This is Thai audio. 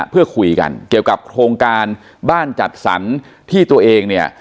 เพื่อคุยกันเกี่ยวกับโครงการบ้านจัดสรรที่ตัวเองเนี่ย